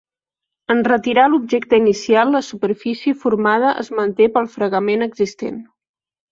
En retirar l'objecte inicial la superfície formada es manté pel fregament existent.